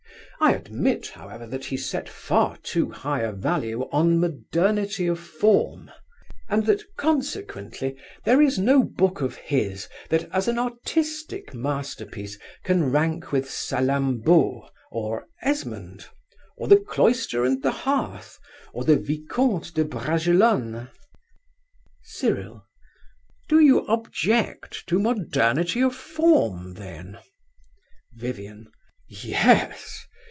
I admit, however, that he set far too high a value on modernity of form, and that, consequently, there is no book of his that, as an artistic masterpiece, can rank with Salammbô or Esmond, or The Cloister and the Hearth, or the Vicomte de Bragelonne. CYRIL. Do you object to modernity of form, then? VIVIAN. Yes.